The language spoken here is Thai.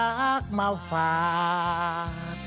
รักมาฝาก